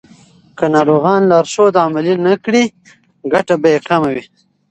که ناروغان لارښود عملي نه کړي، ګټه به یې کمه وي.